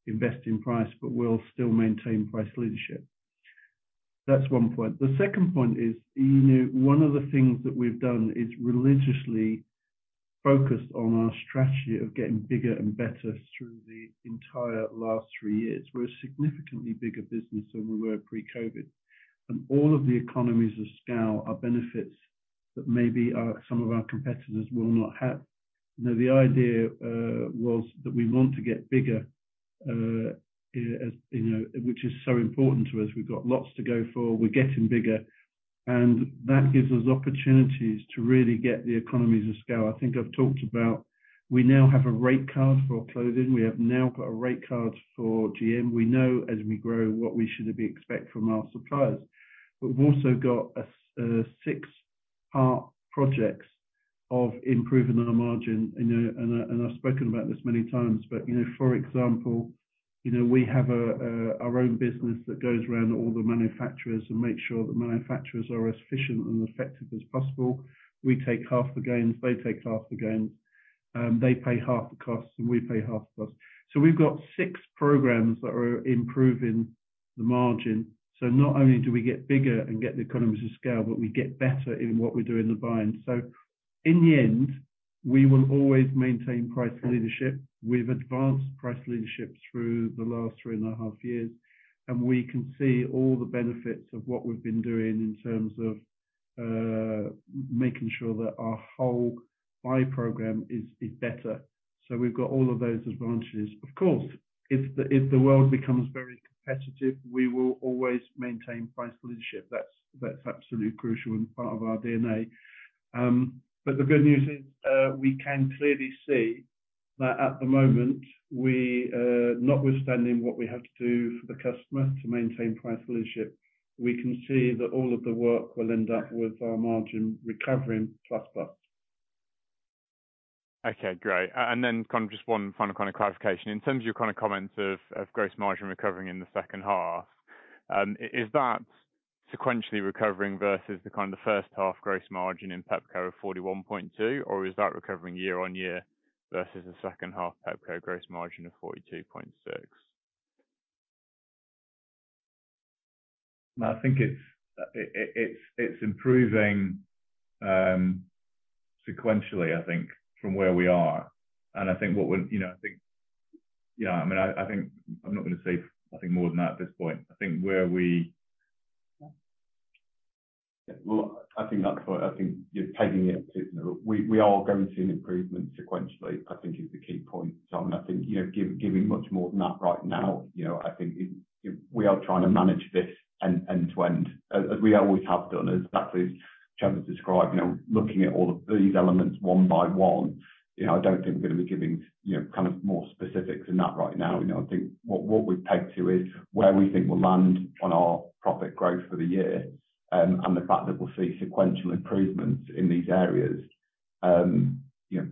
invest in price, but we'll still maintain price leadership. That's one point. The second point is, you know, one of the things that we've done is religiously focus on our strategy of getting bigger and better through the entire last three years. We're a significantly bigger business than we were pre-COVID, and all of the economies of scale are benefits that maybe some of our competitors will not have. You know, the idea was that we want to get bigger, as, you know, which is so important to us. We've got lots to go for, we're getting bigger, and that gives us opportunities to really get the economies of scale. I think I've talked about, we now have a rate card for our clothing. We have now got a rate card for GM. We know as we grow what we should be expect from our suppliers. We've also got a six part projects of improving our margin, you know, and I, and I've spoken about this many times. You know, for example, you know, we have our own business that goes around all the manufacturers and makes sure the manufacturers are as efficient and effective as possible. We take half the gains, they take half the gains, they pay half the costs, we pay half the costs. We've got six programs that are improving the margin. Not only do we get bigger and get the economies of scale, we get better in what we do in the buying. In the end, we will always maintain price leadership. We've advanced price leadership through the last three and a half years, we can see all the benefits of what we've been doing in terms of making sure that our whole buy program is better. We've got all of those advantages. Of course, if the world becomes very competitive, we will always maintain price leadership. That's absolutely crucial and part of our DNA. The good news is, we can clearly see that at the moment, notwithstanding what we have to do for the customer to maintain price leadership, we can see that all of the work will end up with our margin recovering plus.
Okay, great. Then kind of just one final kind of clarification. In terms of your kind of comments of gross margin recovering in the second half, is that sequentially recovering versus the kind of first half gross margin in Pepco of 41.2%, or is that recovering year-on-year versus the second half Pepco gross margin of 42.6%?
I think it's improving sequentially, I think, from where we are. You know, I think, yeah, I mean, I think I'm not going to say, I think, more than that at this point.
Well, I think that's what, I think you're pegging it to, you know, we are going to see an improvement sequentially, I think is the key point, Simon. I think, you know, giving much more than that right now, you know, I think we are trying to manage this end-to-end, as we always have done. As exactly as Trevor described, you know, looking at all of these elements one by one, you know, I don't think we're going to be giving, you know, kind of more specifics than that right now. You know, I think what we've pegged to is where we think we'll land on our profit growth for the year, and the fact that we'll see sequential improvements in these areas. You know,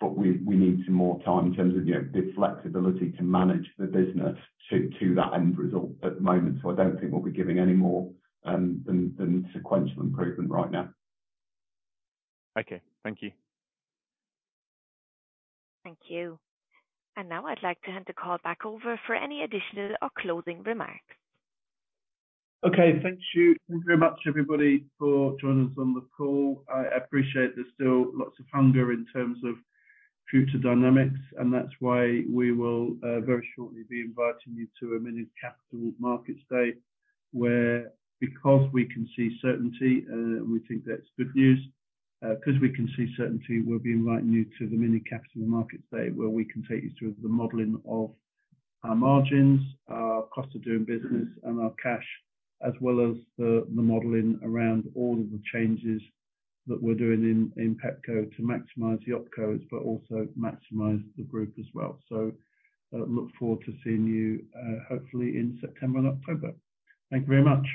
but we need some more time in terms of, you know, the flexibility to manage the business to that end result at the moment. I don't think we'll be giving any more than sequential improvement right now.
Okay. Thank you.
Thank you. Now I'd like to hand the call back over for any additional or closing remarks.
Okay. Thank you. Thank you very much, everybody, for joining us on the call. I appreciate there's still lots of hunger in terms of future dynamics, and that's why we will, very shortly be inviting you to a mini Capital Markets Day, where because we can see certainty, we think that's good news. Because we can see certainty, we'll be inviting you to the mini Capital Markets Day, where we can take you through the modeling of our margins, our cost of doing business, and our cash, as well as the modeling around all of the changes that we're doing in Pepco to maximize the OpCos, but also maximize the group as well. Look forward to seeing you, hopefully in September and October. Thank you very much.